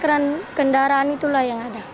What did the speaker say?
karena kendaraan itulah yang ada